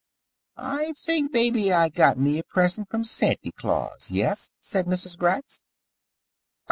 "I think mebby I got me a present from Santy Claus, yes?" said Mrs. Gratz.